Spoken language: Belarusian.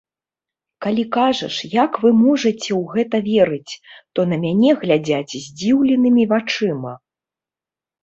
Калі кажаш, як вы можаце ў гэта верыць, то на мяне глядзяць здзіўленымі вачыма.